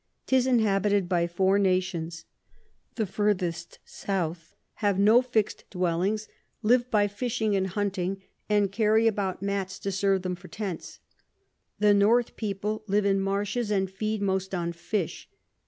'Tis inhabited by four Nations: The furthest South have no fix'd Dwellings, live by Fishing and Hunting, and carry about Mats to serve them for Tents. The North People live in Marshes, and feed most on Fish.